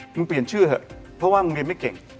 เกิดเปลี่ยนชื่อเพราะเหมือนไม่มาก